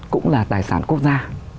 cũng là tài sản quốc gia